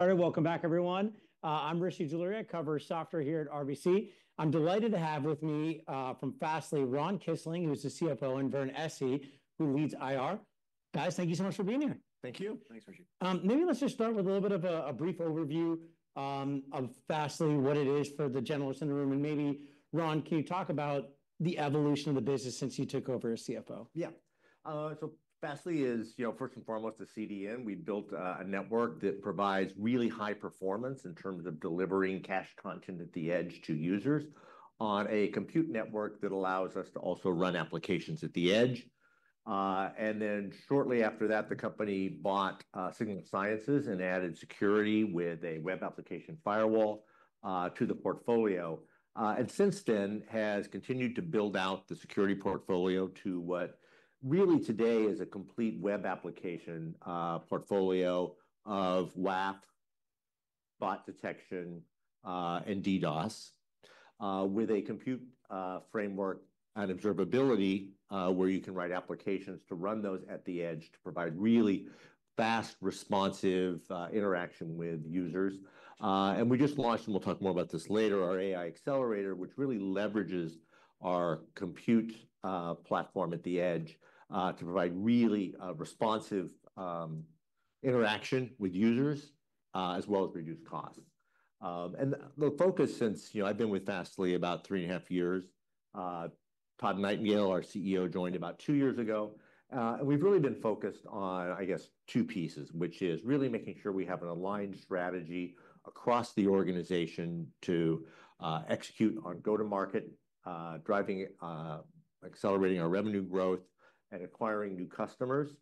Welcome back, everyone. I'm Rishi Jaluria, a software analyst here at RBC. I'm delighted to have with me from Fastly Ron Kisling, who's the CFO, and Vern Essi, who leads IR. Guys, thank you so much for being here. Thank you. Thanks, Rishi. Maybe let's just start with a little bit of a brief overview of Fastly, what it is for the generalists in the room. And maybe, Ron, can you talk about the evolution of the business since you took over as CFO? Yeah, so Fastly is, you know, first and foremost, a CDN. We built a network that provides really high performance in terms of delivering cached content at the edge to users on a compute network that allows us to also run applications at the edge, and then shortly after that, the company bought Signal Sciences and added security with a web application firewall to the portfolio, and since then, has continued to build out the security portfolio to what really today is a complete web application portfolio of WAF, bot detection, and DDoS, with a compute framework and observability where you can write applications to run those at the edge to provide really fast, responsive interaction with users. We just launched, and we'll talk more about this later, our AI Accelerator, which really leverages our compute platform at the edge to provide really responsive interaction with users as well as reduced costs. The focus, since, you know, I've been with Fastly about three and a half years, Todd Nightingale, our CEO, joined about two years ago. We've really been focused on, I guess, two pieces, which is really making sure we have an aligned strategy across the organization to execute on go-to-market, driving, accelerating our revenue growth, and acquiring new customers,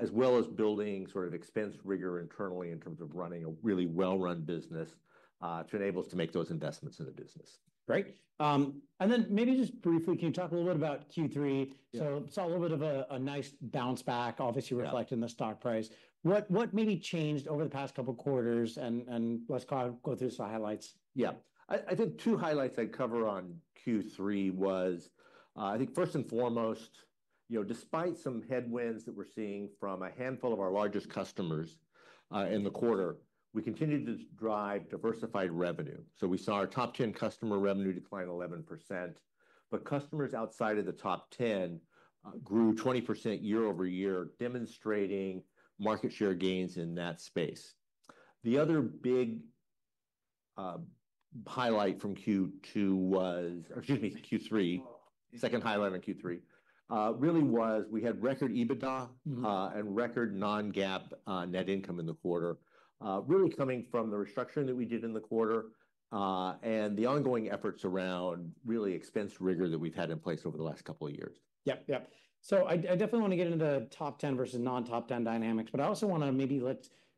as well as building sort of expense rigor internally in terms of running a really well-run business to enable us to make those investments in the business. Great. And then maybe just briefly, can you talk a little bit about Q3? So it's a little bit of a nice bounce back, obviously reflecting the stock price. What maybe changed over the past couple of quarters? And let's go through some highlights. Yeah. I think two highlights I'd cover on Q3 was. I think first and foremost, you know, despite some headwinds that we're seeing from a handful of our largest customers in the quarter, we continued to drive diversified revenue. So we saw our top 10 customer revenue decline 11%, but customers outside of the top 10 grew 20% year-over-year, demonstrating market share gains in that space. The other big highlight from Q2 was, or excuse me, Q3, second highlight on Q3, really was we had record EBITDA and record non-GAAP net income in the quarter, really coming from the restructuring that we did in the quarter and the ongoing efforts around really expense rigor that we've had in place over the last couple of years. Yep, yep. So I definitely want to get into the top 10 versus non-top 10 dynamics, but I also want to maybe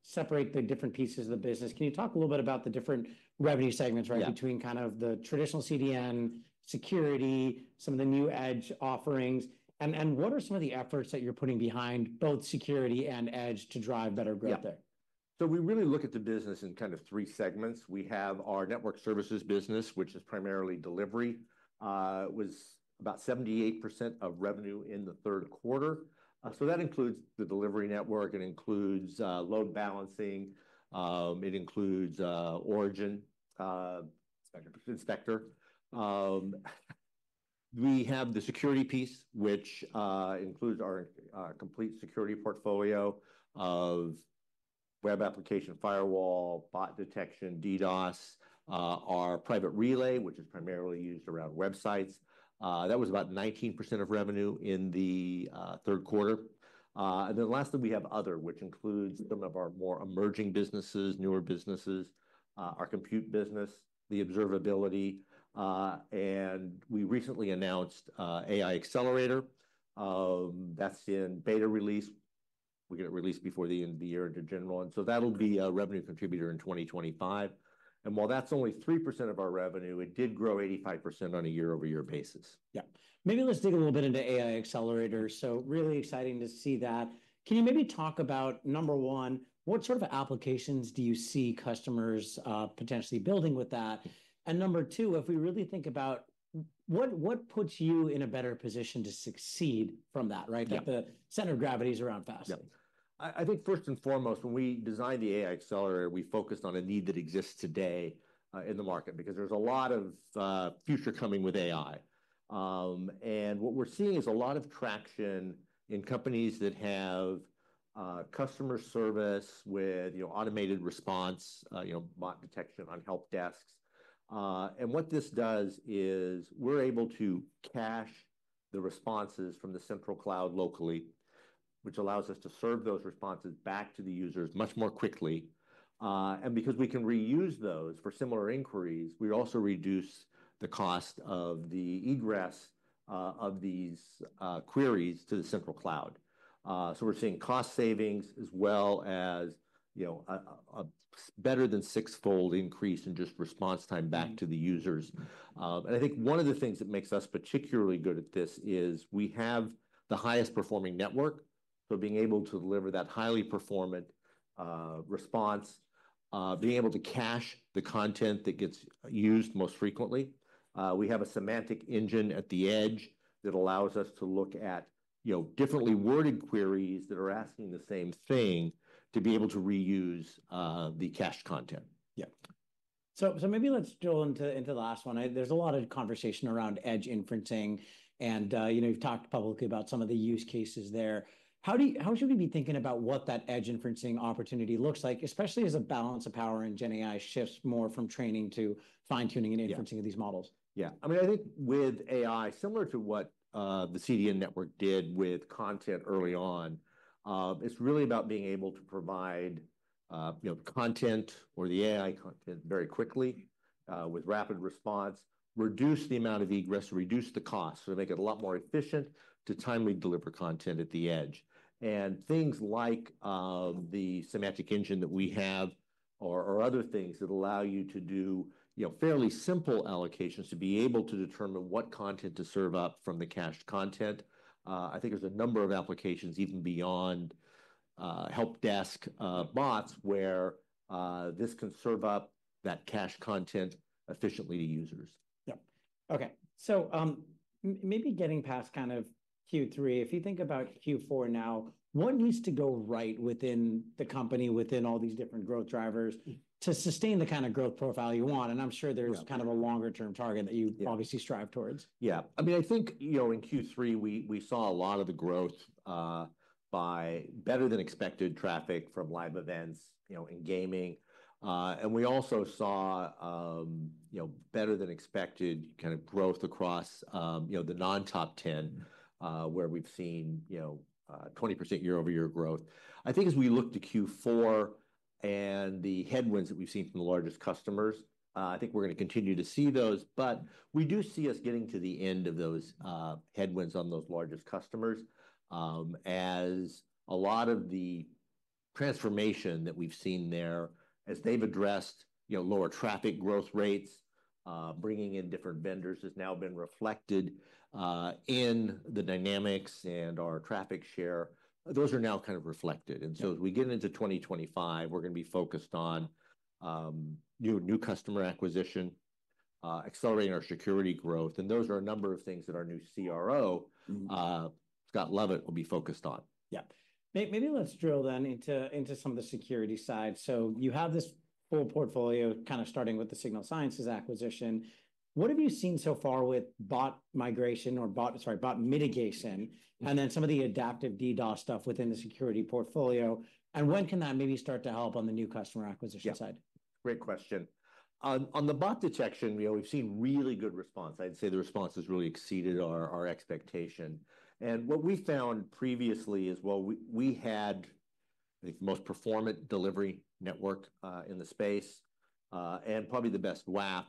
separate the different pieces of the business. Can you talk a little bit about the different revenue segments, right, between kind of the traditional CDN, security, some of the new edge offerings, and what are some of the efforts that you're putting behind both security and edge to drive better growth there? Yeah. So we really look at the business in kind of three segments. We have our network services business, which is primarily delivery. It was about 78% of revenue in the third quarter. So that includes the delivery network. It includes load balancing. It includes Origin Inspector. We have the security piece, which includes our complete security portfolio of web application firewall, bot detection, DDoS, our Private Relay, which is primarily used around websites. That was about 19% of revenue in the third quarter. And then lastly, we have other, which includes some of our more emerging businesses, newer businesses, our Compute business, the Observability. And we recently announced AI Accelerator. That's in beta release. We're going to release before the end of the year into general. And so that'll be a revenue contributor in 2025. While that's only 3% of our revenue, it did grow 85% on a year-over-year basis. Yeah. Maybe let's dig a little bit into AI Accelerator. So really exciting to see that. Can you maybe talk about, number one, what sort of applications do you see customers potentially building with that? And number two, if we really think about what puts you in a better position to succeed from that, right? The center of gravity is around Fastly. I think first and foremost, when we designed the AI Accelerator, we focused on a need that exists today in the market because there's a lot of future coming with AI, and what we're seeing is a lot of traction in companies that have customer service with automated response, you know, bot detection on help desks. What this does is we're able to cache the responses from the central cloud locally, which allows us to serve those responses back to the users much more quickly, and because we can reuse those for similar inquiries, we also reduce the cost of the egress of these queries to the central cloud. We're seeing cost savings as well as, you know, a better than six-fold increase in just response time back to the users. I think one of the things that makes us particularly good at this is we have the highest performing network. So being able to deliver that highly performant response, being able to cache the content that gets used most frequently. We have a semantic engine at the edge that allows us to look at, you know, differently worded queries that are asking the same thing to be able to reuse the cached content. Yeah, so maybe let's drill into the last one. There's a lot of conversation around edge inferencing. And you know, you've talked publicly about some of the use cases there. How should we be thinking about what that edge inferencing opportunity looks like, especially as a balance of power in GenAI shifts more from training to fine-tuning and inferencing of these models? Yeah. I mean, I think with AI, similar to what the CDN network did with content early on, it's really about being able to provide, you know, the content or the AI content very quickly with rapid response, reduce the amount of egress, reduce the cost, so make it a lot more efficient to timely deliver content at the edge, and things like the semantic engine that we have or other things that allow you to do, you know, fairly simple allocations to be able to determine what content to serve up from the cached content. I think there's a number of applications even beyond help desk bots where this can serve up that cached content efficiently to users. Yep. Okay. So maybe getting past kind of Q3, if you think about Q4 now, what needs to go right within the company, within all these different growth drivers to sustain the kind of growth profile you want? And I'm sure there's kind of a longer-term target that you obviously strive towards. Yeah. I mean, I think, you know, in Q3, we saw a lot of the growth by better than expected traffic from live events, you know, in gaming. And we also saw, you know, better than expected kind of growth across, you know, the non-top 10, where we've seen, you know, 20% year-over-year growth. I think as we look to Q4 and the headwinds that we've seen from the largest customers, I think we're going to continue to see those. But we do see us getting to the end of those headwinds on those largest customers as a lot of the transformation that we've seen there, as they've addressed, you know, lower traffic growth rates, bringing in different vendors has now been reflected in the dynamics and our traffic share. Those are now kind of reflected. And so as we get into 2025, we're going to be focused on new customer acquisition, accelerating our security growth. And those are a number of things that our new CRO, Scott Lovett, will be focused on. Yeah. Maybe let's drill down into some of the security side. So you have this full portfolio kind of starting with the Signal Sciences acquisition. What have you seen so far with bot mitigation, and then some of the adaptive DDoS stuff within the security portfolio? And when can that maybe start to help on the new customer acquisition side? Great question. On the bot detection, we've seen really good response. I'd say the response has really exceeded our expectation, and what we found previously is, well, we had, I think, the most performant delivery network in the space and probably the best WAF.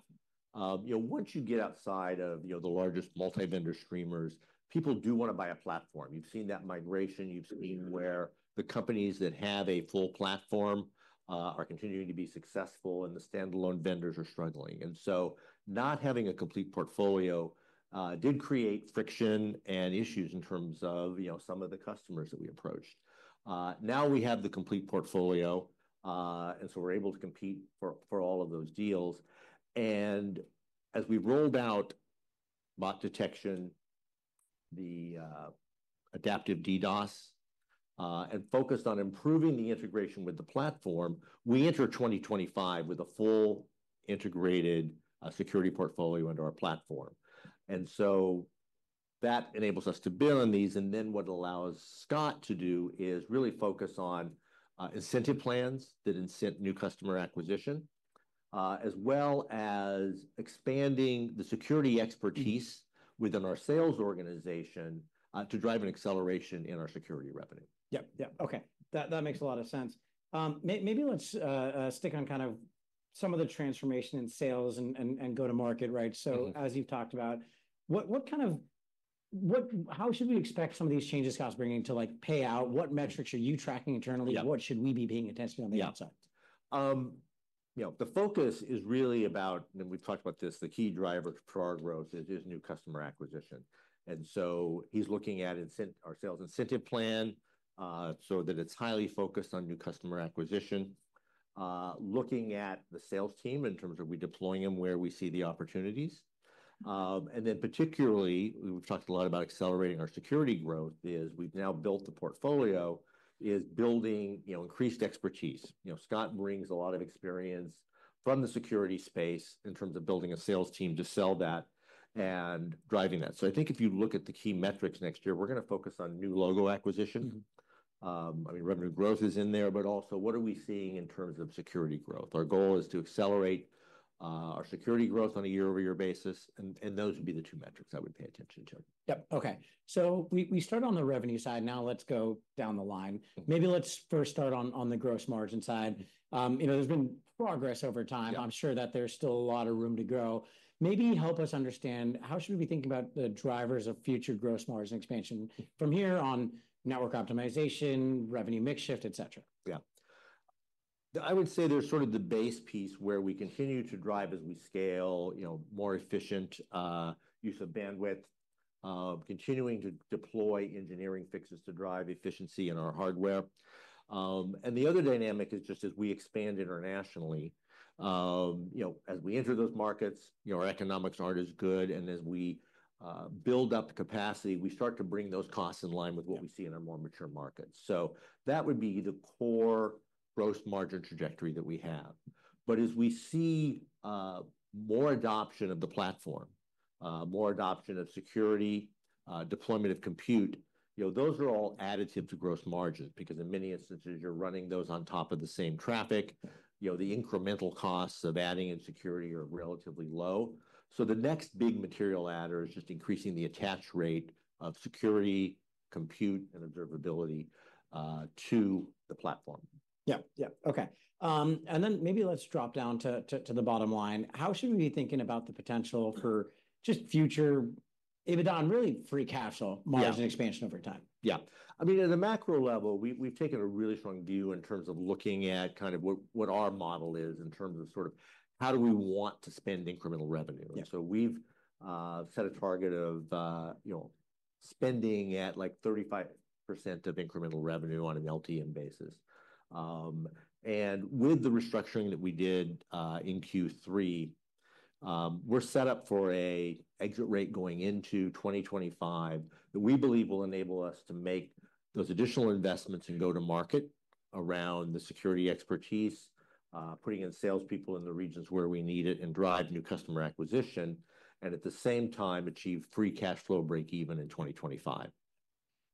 You know, once you get outside of, you know, the largest multi-vendor streamers, people do want to buy a platform. You've seen that migration. You've seen where the companies that have a full platform are continuing to be successful, and the standalone vendors are struggling, and so not having a complete portfolio did create friction and issues in terms of, you know, some of the customers that we approached. Now we have the complete portfolio, and so we're able to compete for all of those deals. And as we rolled out bot detection, the adaptive DDoS, and focused on improving the integration with the platform, we entered 2025 with a full integrated security portfolio into our platform. And so that enables us to build on these. And then what allows Scott to do is really focus on incentive plans that incent new customer acquisition, as well as expanding the security expertise within our sales organization to drive an acceleration in our security revenue. Yep, yep. Okay. That makes a lot of sense. Maybe let's stick on kind of some of the transformation in sales and go-to-market, right? So as you've talked about, what kind of, how should we expect some of these changes Scott's bringing to, like, pay out? What metrics are you tracking internally? What should we be paying attention to on the outside? You know, the focus is really about, and we've talked about this, the key driver for our growth is new customer acquisition. And so he's looking at our sales incentive plan so that it's highly focused on new customer acquisition, looking at the sales team in terms of we deploying them where we see the opportunities. And then particularly, we've talked a lot about accelerating our security growth. We've now built the portfolio, building, you know, increased expertise. You know, Scott brings a lot of experience from the security space in terms of building a sales team to sell that and driving that. So I think if you look at the key metrics next year, we're going to focus on new logo acquisition. I mean, revenue growth is in there, but also what are we seeing in terms of security growth? Our goal is to accelerate our security growth on a year-over-year basis, and those would be the two metrics I would pay attention to. Yep. Okay. So we start on the revenue side. Now let's go down the line. Maybe let's first start on the gross margin side. You know, there's been progress over time. I'm sure that there's still a lot of room to grow. Maybe help us understand how should we be thinking about the drivers of future gross margin expansion from here: network optimization, revenue mix shift, et cetera? Yeah. I would say there's sort of the base piece where we continue to drive as we scale, you know, more efficient use of bandwidth, continuing to deploy engineering fixes to drive efficiency in our hardware. And the other dynamic is just as we expand internationally, you know, as we enter those markets, you know, our economics aren't as good. And as we build up capacity, we start to bring those costs in line with what we see in our more mature markets. So that would be the core gross margin trajectory that we have. But as we see more adoption of the platform, more adoption of security, deployment of compute, you know, those are all additive to gross margins because in many instances, you're running those on top of the same traffic. You know, the incremental costs of adding in security are relatively low. The next big material adders is just increasing the attach rate of security, compute, and observability to the platform. Yeah, yeah. Okay. Then maybe let's drop down to the bottom line. How should we be thinking about the potential for Fastly's future, if it's not really free cash flow margin expansion over time? Yeah. I mean, at a macro level, we've taken a really strong view in terms of looking at kind of what our model is in terms of sort of how do we want to spend incremental revenue. And so we've set a target of, you know, spending at like 35% of incremental revenue on an LTM basis. And with the restructuring that we did in Q3, we're set up for an exit rate going into 2025 that we believe will enable us to make those additional investments and go-to-market around the security expertise, putting in salespeople in the regions where we need it and drive new customer acquisition, and at the same time achieve free cash flow break even in 2025.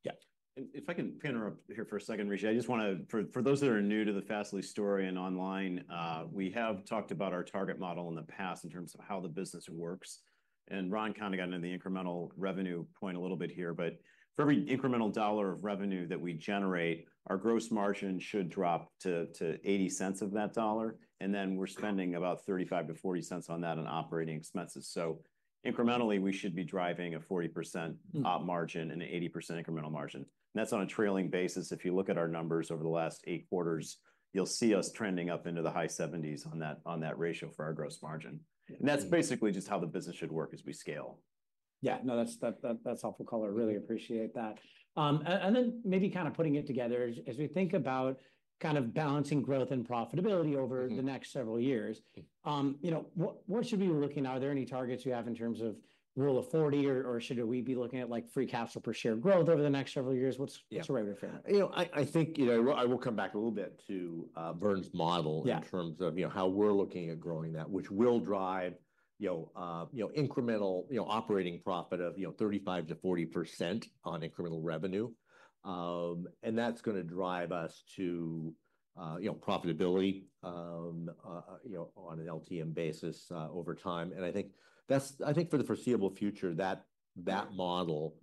Yeah. And if I can pick up here for a second, Rishi, I just want to, for those that are new to the Fastly story and online, we have talked about our target model in the past in terms of how the business works. And Ron kind of got into the incremental revenue point a little bit here, but for every incremental dollar of revenue that we generate, our gross margin should drop to 80 cents of that dollar. And then we're spending about 35-40 cents on that in operating expenses. So incrementally, we should be driving a 40% margin and an 80% incremental margin. And that's on a trailing basis. If you look at our numbers over the last eight quarters, you'll see us trending up into the high 70s on that ratio for our gross margin. That's basically just how the business should work as we scale. Yeah. No, that's helpful color. Really appreciate that. And then maybe kind of putting it together as we think about kind of balancing growth and profitability over the next several years, you know, what should we be looking at? Are there any targets you have in terms of Rule of 40, or should we be looking at like free cash flow per share growth over the next several years? What's the right way for that? You know, I think, you know, I will come back a little bit to Vern's model in terms of, you know, how we're looking at growing that, which will drive, you know, incremental, you know, operating profit of, you know, 35%-40% on incremental revenue. And that's going to drive us to, you know, profitability, you know, on an LTM basis over time. And I think that's, I think for the foreseeable future, that model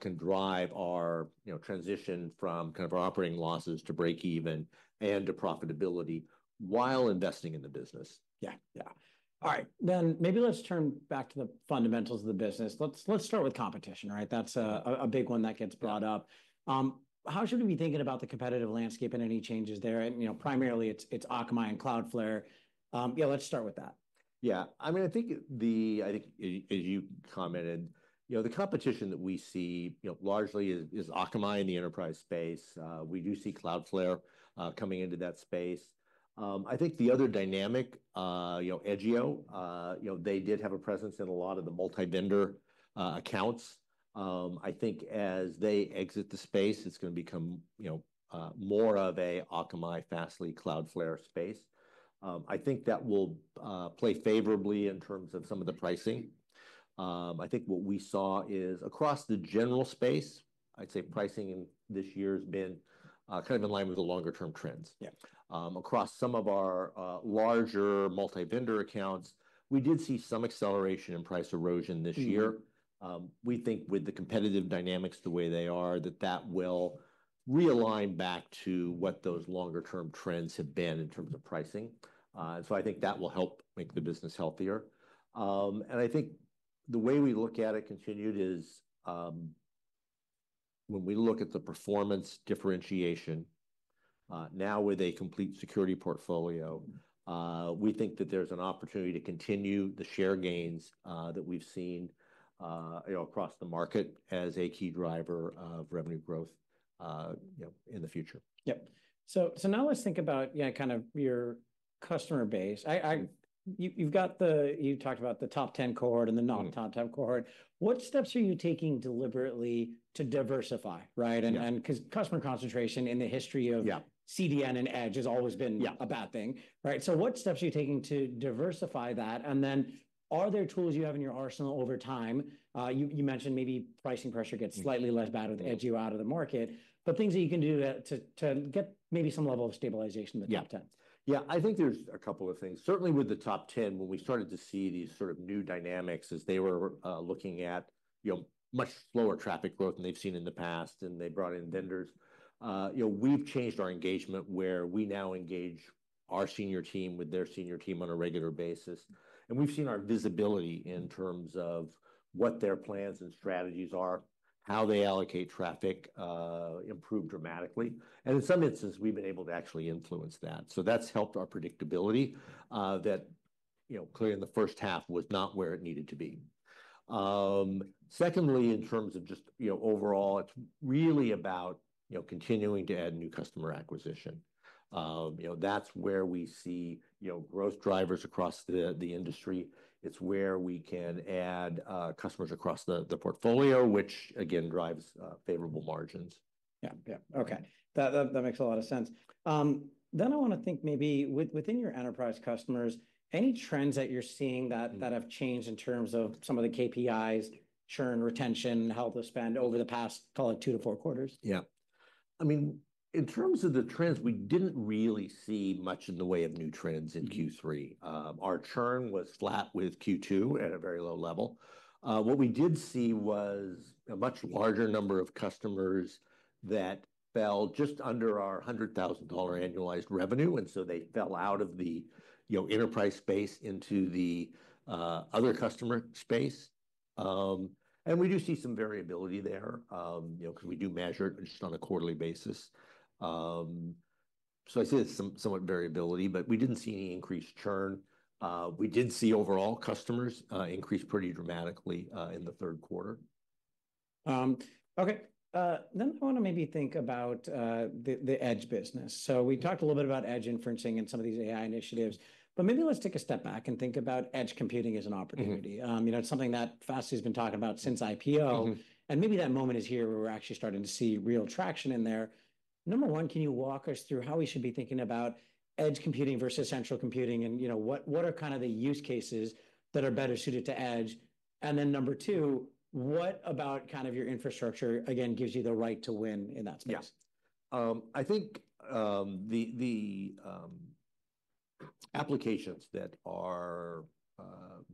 can drive our, you know, transition from kind of our operating losses to break even and to profitability while investing in the business. Yeah, yeah. All right. Then maybe let's turn back to the fundamentals of the business. Let's start with competition, right? That's a big one that gets brought up. How should we be thinking about the competitive landscape and any changes there? And, you know, primarily it's Akamai and Cloudflare. Yeah, let's start with that. Yeah. I mean, I think as you commented, you know, the competition that we see, you know, largely is Akamai in the enterprise space. We do see Cloudflare coming into that space. I think the other dynamic, you know, Edgio, you know, they did have a presence in a lot of the multi-vendor accounts. I think as they exit the space, it's going to become, you know, more of an Akamai, Fastly, Cloudflare space. I think that will play favorably in terms of some of the pricing. I think what we saw is across the general space. I'd say pricing this year has been kind of in line with the longer-term trends. Across some of our larger multi-vendor accounts, we did see some acceleration in price erosion this year. We think with the competitive dynamics, the way they are, that that will realign back to what those longer-term trends have been in terms of pricing. And so I think that will help make the business healthier. And I think the way we look at it continued is when we look at the performance differentiation now with a complete security portfolio, we think that there's an opportunity to continue the share gains that we've seen, you know, across the market as a key driver of revenue growth, you know, in the future. Yep, so now let's think about, yeah, kind of your customer base. You've got the, you talked about the top 10 cohort and the non-top 10 cohort. What steps are you taking deliberately to diversify, right, and because customer concentration in the history of CDN and edge has always been a bad thing, right, so what steps are you taking to diversify that? And then are there tools you have in your arsenal over time? You mentioned maybe pricing pressure gets slightly less bad with Edgio out of the market, but things that you can do to get maybe some level of stabilization in the top 10. Yeah, I think there's a couple of things. Certainly with the top 10, when we started to see these sort of new dynamics as they were looking at, you know, much slower traffic growth than they've seen in the past, and they brought in vendors. You know, we've changed our engagement where we now engage our senior team with their senior team on a regular basis. And we've seen our visibility in terms of what their plans and strategies are, how they allocate traffic, improve dramatically. And in some instances, we've been able to actually influence that. So that's helped our predictability that, you know, clearly in the first half was not where it needed to be. Secondly, in terms of just, you know, overall, it's really about, you know, continuing to add new customer acquisition. You know, that's where we see, you know, growth drivers across the industry. It's where we can add customers across the portfolio, which again drives favorable margins. Yeah, yeah. Okay. That makes a lot of sense. Then I want to think maybe within your enterprise customers, any trends that you're seeing that have changed in terms of some of the KPIs, churn, retention, how they spend over the past, call it two to four quarters? Yeah. I mean, in terms of the trends, we didn't really see much in the way of new trends in Q3. Our churn was flat with Q2 at a very low level. What we did see was a much larger number of customers that fell just under our $100,000 annualized revenue, and so they fell out of the, you know, enterprise space into the other customer space, and we do see some variability there, you know, because we do measure it just on a quarterly basis, so I say it's somewhat variability, but we didn't see any increased churn. We did see overall customers increase pretty dramatically in the third quarter. Okay, then I want to maybe think about the edge business, so we talked a little bit about edge inferencing and some of these AI initiatives, but maybe let's take a step back and think about edge computing as an opportunity, you know, it's something that Fastly has been talking about since IPO, and maybe that moment is here where we're actually starting to see real traction in there. Number one, can you walk us through how we should be thinking about edge computing versus central computing and, you know, what are kind of the use cases that are better suited to edge, and then number two, what about kind of your infrastructure again gives you the right to win in that space? Yeah. I think the applications that are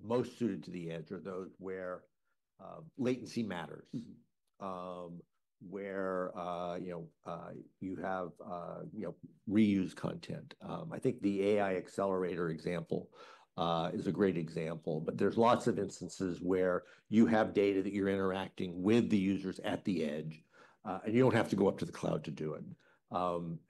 most suited to the edge are those where latency matters, where, you know, you have, you know, reused content. I think the AI Accelerator example is a great example, but there's lots of instances where you have data that you're interacting with the users at the edge and you don't have to go up to the cloud to do it.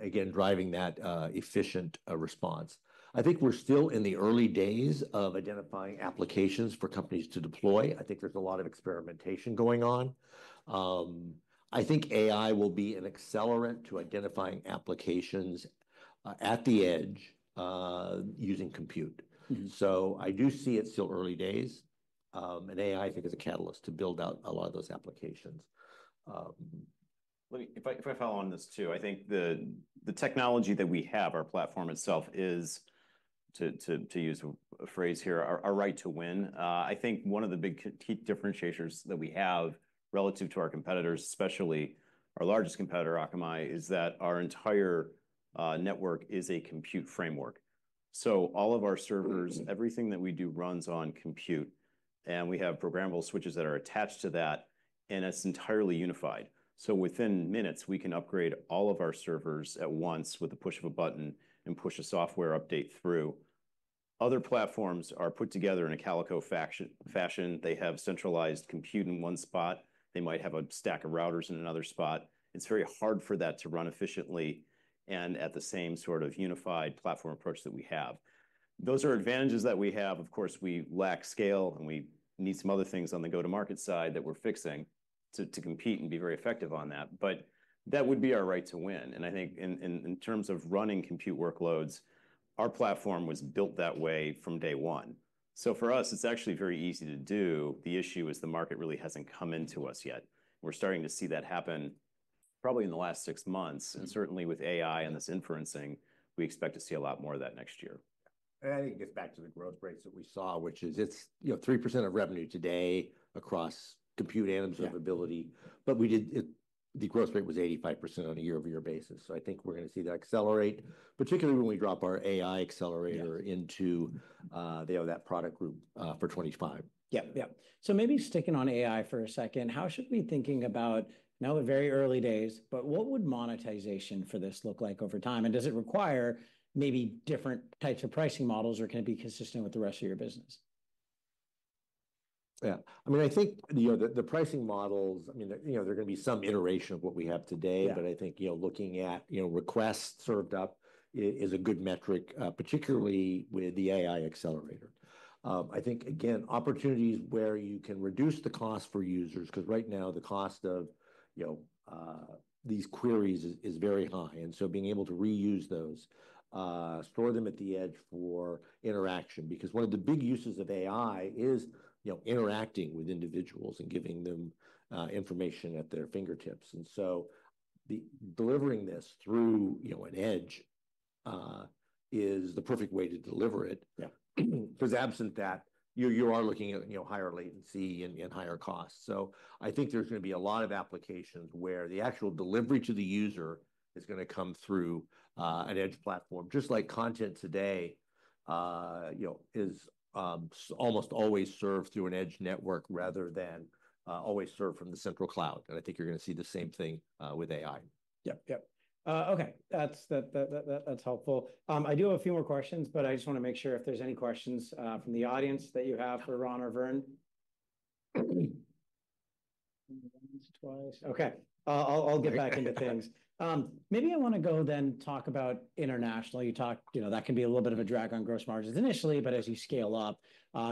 Again, driving that efficient response. I think we're still in the early days of identifying applications for companies to deploy. I think there's a lot of experimentation going on. I think AI will be an accelerant to identifying applications at the edge using compute. So I do see it still early days. And AI, I think, is a catalyst to build out a lot of those applications. Let me, if I follow on this too, I think the technology that we have, our platform itself is, to use a phrase here, our right to win. I think one of the big key differentiators that we have relative to our competitors, especially our largest competitor, Akamai, is that our entire network is a compute framework. So all of our servers, everything that we do runs on compute. And we have programmable switches that are attached to that. And it's entirely unified. So within minutes, we can upgrade all of our servers at once with the push of a button and push a software update through. Other platforms are put together in a calico fashion. They have centralized compute in one spot. They might have a stack of routers in another spot. It's very hard for that to run efficiently and at the same sort of unified platform approach that we have. Those are advantages that we have. Of course, we lack scale and we need some other things on the go-to-market side that we're fixing to compete and be very effective on that. But that would be our right to win. And I think in terms of running compute workloads, our platform was built that way from day one. So for us, it's actually very easy to do. The issue is the market really hasn't come into us yet. We're starting to see that happen probably in the last six months. And certainly with AI and this inferencing, we expect to see a lot more of that next year. It gets back to the growth rates that we saw, which is, it's, you know, 3% of revenue today across Compute and Observability. We did, the growth rate was 85% on a year-over-year basis. I think we're going to see that accelerate, particularly when we drop our AI Accelerator into that product group for 2025. Yeah, yeah, so maybe sticking on AI for a second, how should we be thinking about now the very early days, but what would monetization for this look like over time? And does it require maybe different types of pricing models or can it be consistent with the rest of your business? Yeah. I mean, I think, you know, the pricing models, I mean, you know, there are going to be some iteration of what we have today, but I think, you know, looking at, you know, requests served up is a good metric, particularly with the AI Accelerator. I think, again, opportunities where you can reduce the cost for users, because right now the cost of, you know, these queries is very high. And so being able to reuse those, store them at the edge for interaction, because one of the big uses of AI is, you know, interacting with individuals and giving them information at their fingertips. And so delivering this through, you know, an edge is the perfect way to deliver it. Because absent that, you are looking at, you know, higher latency and higher costs. I think there's going to be a lot of applications where the actual delivery to the user is going to come through an edge platform, just like content today, you know, is almost always served through an edge network rather than always served from the central cloud. I think you're going to see the same thing with AI. Yep, yep. Okay. That's helpful. I do have a few more questions, but I just want to make sure if there's any questions from the audience that you have for Ron or Vern. Okay. I'll get back into things. Maybe I want to go then talk about international. You talk, you know, that can be a little bit of a drag on gross margins initially, but as you scale up,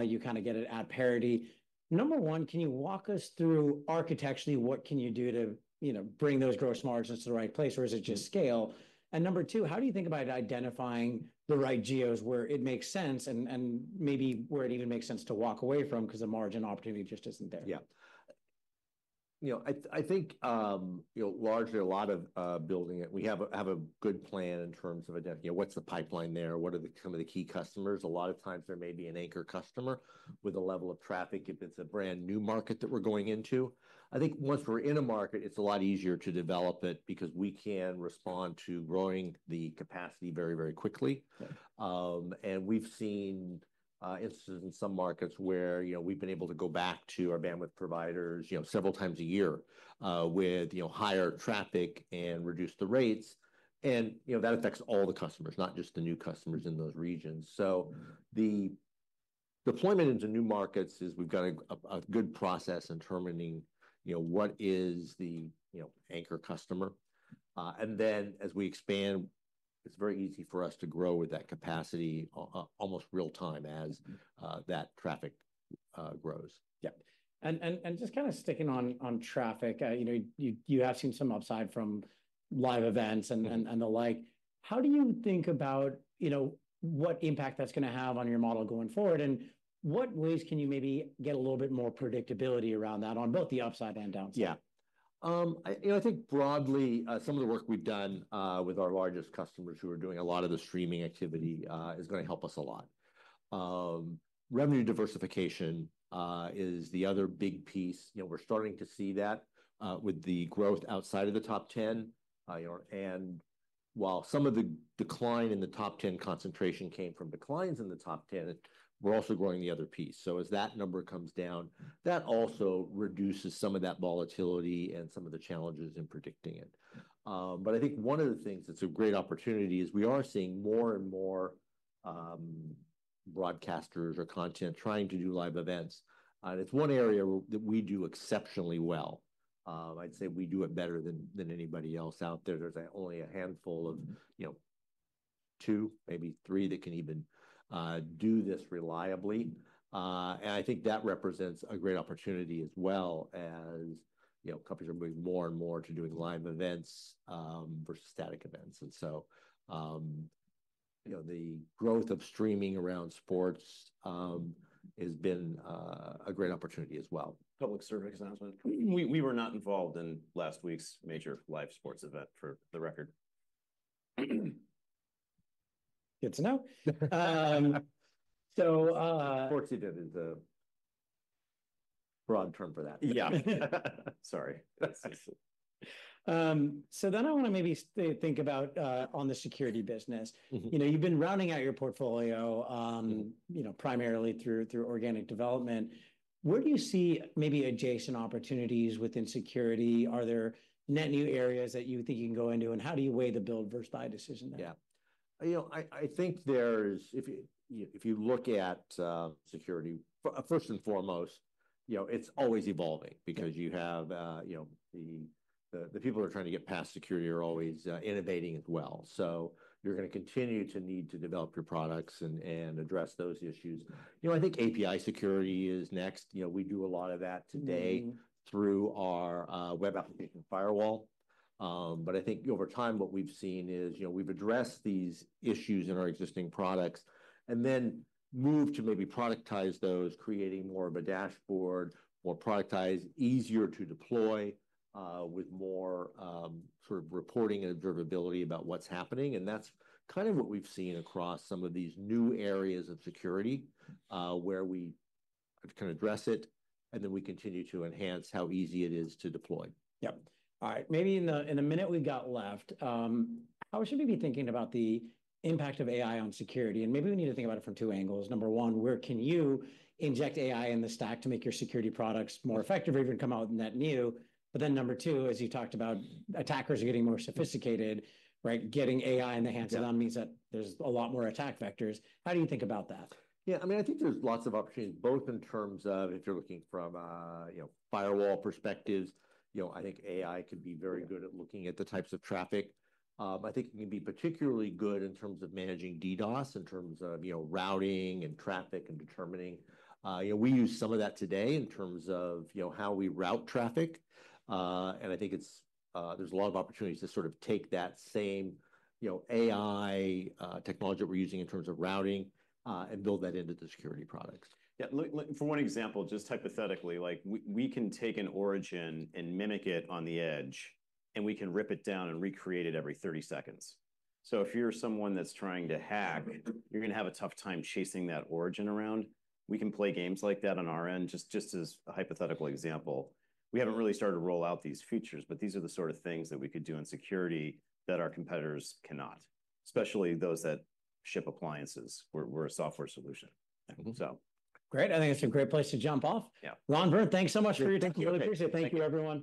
you kind of get it at parity. Number one, can you walk us through architecturally what can you do to, you know, bring those gross margins to the right place or is it just scale? And number two, how do you think about identifying the right geos where it makes sense and maybe where it even makes sense to walk away from because the margin opportunity just isn't there? Yeah. You know, I think, you know, largely a lot of building it, we have a good plan in terms of identifying what's the pipeline there, what are some of the key customers. A lot of times there may be an anchor customer with a level of traffic if it's a brand new market that we're going into. I think once we're in a market, it's a lot easier to develop it because we can respond to growing the capacity very, very quickly, and we've seen instances in some markets where, you know, we've been able to go back to our bandwidth providers, you know, several times a year with, you know, higher traffic and reduce the rates, and, you know, that affects all the customers, not just the new customers in those regions. The deployment into new markets is we've got a good process in determining, you know, what is the, you know, anchor customer. And then as we expand, it's very easy for us to grow with that capacity almost real time as that traffic grows. Yeah. And just kind of sticking on traffic, you know, you have seen some upside from live events and the like. How do you think about, you know, what impact that's going to have on your model going forward? And what ways can you maybe get a little bit more predictability around that on both the upside and downside? Yeah. You know, I think broadly, some of the work we've done with our largest customers who are doing a lot of the streaming activity is going to help us a lot. Revenue diversification is the other big piece. You know, we're starting to see that with the growth outside of the top 10. You know, and while some of the decline in the top 10 concentration came from declines in the top 10, we're also growing the other piece. So as that number comes down, that also reduces some of that volatility and some of the challenges in predicting it. But I think one of the things that's a great opportunity is we are seeing more and more broadcasters or content trying to do live events. And it's one area that we do exceptionally well. I'd say we do it better than anybody else out there. There's only a handful of, you know, two, maybe three, that can even do this reliably. And I think that represents a great opportunity as well as, you know, companies are moving more and more to doing live events versus static events. And so, you know, the growth of streaming around sports has been a great opportunity as well. Public service announcement. We were not involved in last week's major live sports event for the record. Good to know. So. Sports event is a broad term for that. Yeah. Sorry. So then I want to maybe think about on the security business. You know, you've been rounding out your portfolio, you know, primarily through organic development. Where do you see maybe adjacent opportunities within security? Are there net new areas that you think you can go into? And how do you weigh the build versus buy decision there? Yeah. You know, I think there's, if you look at security, first and foremost, you know, it's always evolving because you have, you know, the people who are trying to get past security are always innovating as well. So you're going to continue to need to develop your products and address those issues. You know, I think API security is next. You know, we do a lot of that today through our web application firewall. But I think over time, what we've seen is, you know, we've addressed these issues in our existing products and then moved to maybe productize those, creating more of a dashboard, more productized, easier to deploy with more sort of reporting and observability about what's happening. That's kind of what we've seen across some of these new areas of security where we can address it and then we continue to enhance how easy it is to deploy. Yep. All right. Maybe in the minute we got left, how should we be thinking about the impact of AI on security? And maybe we need to think about it from two angles. Number one, where can you inject AI in the stack to make your security products more effective or even come out net new? But then number two, as you talked about, attackers are getting more sophisticated, right? Getting AI in the hands of them means that there's a lot more attack vectors. How do you think about that? Yeah. I mean, I think there's lots of opportunities both in terms of if you're looking from, you know, firewall perspectives, you know, I think AI could be very good at looking at the types of traffic. I think it can be particularly good in terms of managing DDoS, in terms of, you know, routing and traffic and determining, you know, we use some of that today in terms of, you know, how we route traffic. And I think there's a lot of opportunities to sort of take that same, you know, AI technology that we're using in terms of routing and build that into the security products. Yeah. For one example, just hypothetically, like we can take an origin and mimic it on the edge and we can rip it down and recreate it every 30 seconds. So if you're someone that's trying to hack, you're going to have a tough time chasing that origin around. We can play games like that on our end, just as a hypothetical example. We haven't really started to roll out these features, but these are the sort of things that we could do in security that our competitors cannot, especially those that ship appliances. We're a software solution. Great. I think it's a great place to jump off. Ron, Vern, thanks so much for your time. We really appreciate it. Thank you, everyone.